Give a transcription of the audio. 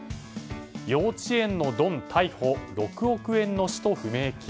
幼稚園のドン逮捕６億円の使途不明金。